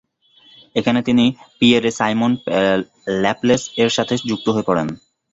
এখানে তিনি পিয়েরে-সাইমন ল্যাপলেস-এর সাথে যুক্ত হয়ে পড়েন।